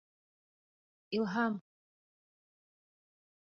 Илһам...